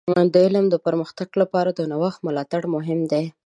د علم د پرمختګ لپاره د نوښت ملاتړ مهم دی.